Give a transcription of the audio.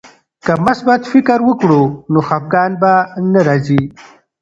که مثبت فکر وکړو نو خفګان نه راځي.